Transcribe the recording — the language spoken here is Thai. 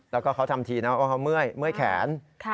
แล้วก็เขาทำทีนะว่าเขาเมื่อยแขน